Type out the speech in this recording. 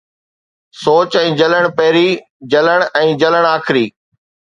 سوڄ ۽ جلڻ پهرين، جلڻ ۽ جلڻ آخري